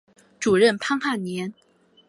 主任潘汉年。